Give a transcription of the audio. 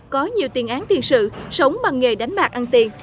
có nhiều tiền án tiền sự sống bằng nghề đánh bạc ăn tiền